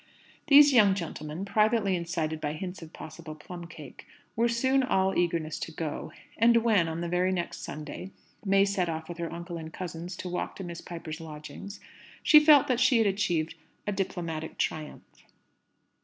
Those young gentlemen, privately incited by hints of possible plum cake, were soon all eagerness to go; and when, on the very next Sunday, May set off with her uncle and cousins to walk to Miss Piper's lodgings, she felt that she had achieved a diplomatic triumph.